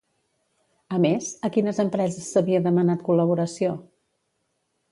A més, a quines empreses s'havia demanat col·laboració?